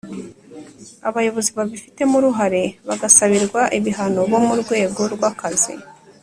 abayobozi babifitemo uruhare bagasabirwa ibihano bo mu rwego rw akazi